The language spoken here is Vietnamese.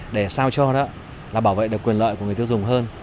để sao cho đó là bảo vệ được quyền lợi của người tiêu dùng hơn